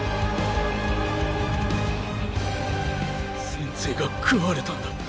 戦鎚が食われたんだ。